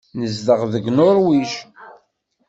Nezdeɣ deg Nuṛwij.